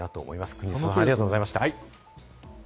国沢さん、ありがとうございました。